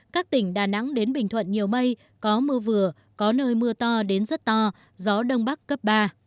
các tỉnh đà nẵng đến bình thuận nhiều mây có mưa vừa có nơi mưa to đến rất to gió đông bắc cấp ba